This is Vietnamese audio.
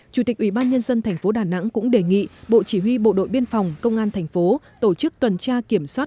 chủ tịch ubnd tp đà nẵng cũng đề nghị bộ chỉ huy bộ đội biên phòng công an thành phố tổ chức tuần tra kiểm soát